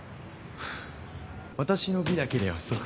私の美だけでは不足か？